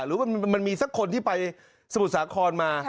หรือมันมีสักคนที่ไปสมุทรสาครมา